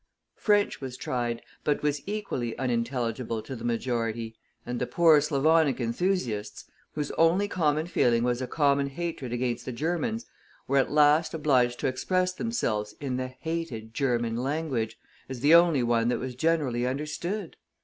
French was tried, but was equally unintelligible to the majority, and the poor Slavonic enthusiasts, whose only common feeling was a common hatred against the Germans, were at last obliged to express themselves in the hated German language, as the only one that was generally understood!